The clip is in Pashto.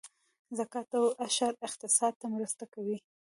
زکات او عشر اقتصاد ته مرسته کوي